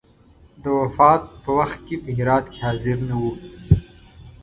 د وفات په وخت کې په هرات کې حاضر نه وو.